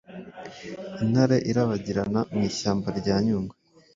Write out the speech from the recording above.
Intare irabagirana mu ishyamba rya nyungwe